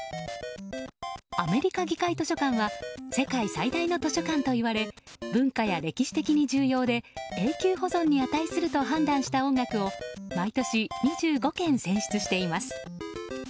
アメリカ議会図書館は世界最大の図書館といわれ文化や歴史的に重要で永久保存に値すると判断した音楽を毎年２５件選出しています。